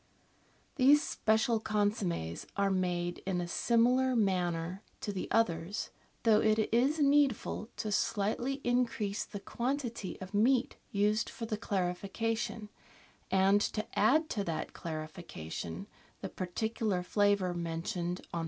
These special consommes are made in a similar manner to the others, though it is needful to slightly increase the quantity of meat used for the clarification, and to add to that clarification the particular flavour mentioned on th.